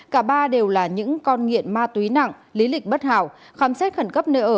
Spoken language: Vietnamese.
cả ba đều là những con nghiện ma túy nặng lý lịch bất hảo khám xét khẩn cấp nơi ở